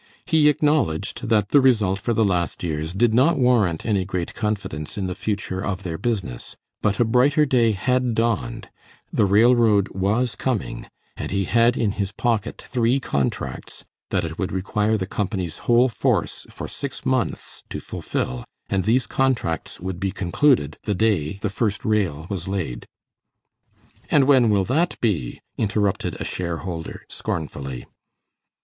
He acknowledged that the result for the last years did not warrant any great confidence in the future of their business, but a brighter day had dawned, the railroad was coming, and he had in his pocket three contracts that it would require the company's whole force for six months to fulfill, and these contracts would be concluded the day the first rail was laid. "And when will that be?" interrupted a shareholder, scornfully.